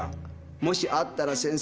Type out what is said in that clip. もしあったら先生。